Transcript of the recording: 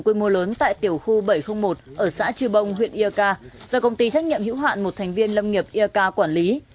quy mô lớn tại tiểu khu bảy trăm linh một ở xã cư bông huyện yà cà do công ty trách nhiệm hữu hạn một thành viên lâm nghiệp yà cà quản lý